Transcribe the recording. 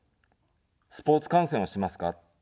スポーツ観戦をしますか。